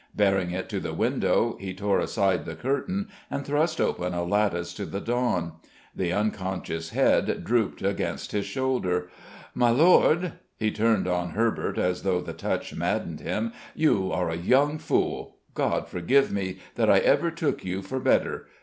Bearing it to the window, he tore aside the curtain and thrust open a lattice to the dawn. The unconscious head drooped against his shoulder. "My Lord" he turned on Herbert as though the touch maddened him "you are a young fool! God forgive me that I ever took you for better!